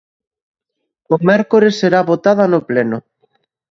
O mércores será votada no pleno.